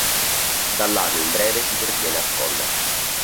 Dal lago in breve si perviene al colle.